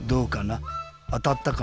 あたったかな？